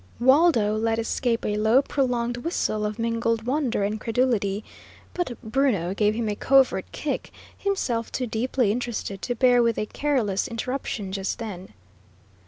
Waldo let escape a low, prolonged whistle of mingled wonder and incredulity, but Bruno gave him a covert kick, himself too deeply interested to bear with a careless interruption just then.